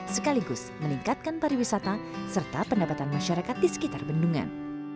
sekaligus meningkatkan pariwisata serta pendapatan masyarakat di sekitar bendungan